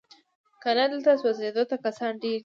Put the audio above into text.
کنه دلته سوځېدو ته کسان ډیر دي